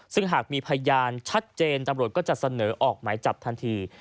ซึ่งหากมีพยานชัดเจนตำรวจก็จะเสนอออกหมายจับทันที